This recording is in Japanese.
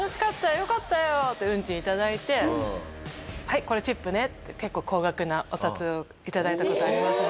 よかったよ！」って運賃頂いて「はいこれチップね！」って結構高額なお札を頂いた事ありますね。